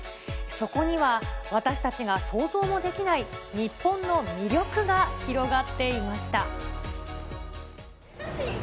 そこには、私たちが想像もできない、日本の魅力が広がっていました。